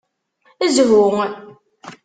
Zhu!